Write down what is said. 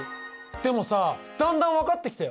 でもさだんだん分かってきたよ。